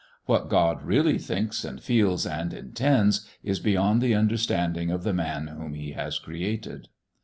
What God really thinks and feels and intends is beyond the understanding of the man whom He has created.